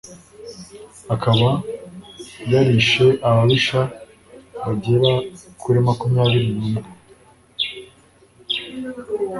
akaba yarishe ababisha bagera kuri makumyabiri n'umwe